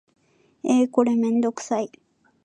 えーこれめんどくさい